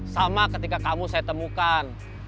sama ketika kamu saya temukan